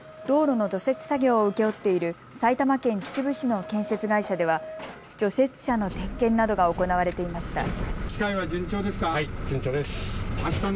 道路の除雪作業を請け負っている埼玉県秩父市の建設会社では除雪車の点検などが行われていました。